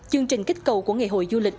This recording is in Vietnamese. chương trình kích cầu của ngày hội du lịch